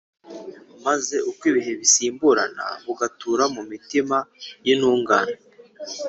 maze uko ibihe bisimburana bugatura mu mitima y’intungane,